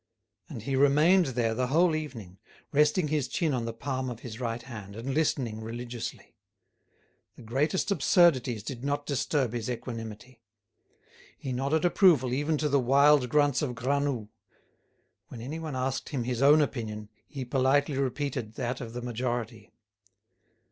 And he remained there the whole evening, resting his chin on the palm of his right hand, and listening religiously. The greatest absurdities did not disturb his equanimity. He nodded approval even to the wild grunts of Granoux. When anyone asked him his own opinion, he politely repeated that of the majority.